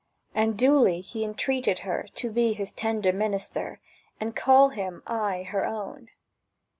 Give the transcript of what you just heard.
And duly he entreated her To be his tender minister, And call him aye her own.